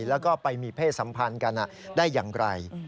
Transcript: แล้วก็ไปมีเพศสัมพันธ์กันได้อย่างไร